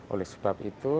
oleh sebab itu